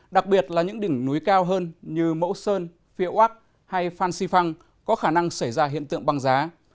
đặc biệt là những đỉnh núi cao hơn như mẫu sơn phiệu ác hay phan xì phăng có khả năng xảy ra hiện tượng băng giá